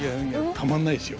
たまんないですよ。